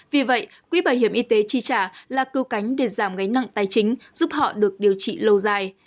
vì vậy quỹ bảo hiểm y tế chi trả là cứu cánh để giảm gánh nặng tài chính giúp họ được điều trị lâu dài